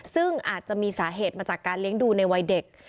ซึ่งอาจจะมีสาเหตุมาจากการเลี้ยงดูในวัยเด็ก